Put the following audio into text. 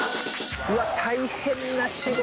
うわっ大変な仕事。